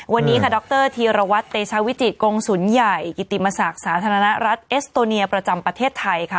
วันนี้ค่ะดรธีรวัตรเตชาวิจิตกงศูนย์ใหญ่กิติมศักดิ์สาธารณรัฐเอสโตเนียประจำประเทศไทยค่ะ